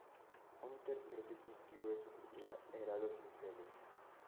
Un tercer distintivo de su cultura era los cinceles.